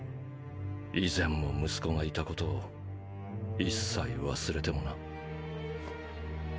以前も息子がいたことを一切忘れてもな。